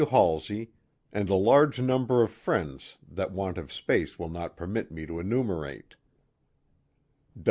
Halsey, and a large number of friends that want of space will not permit me to enumerate.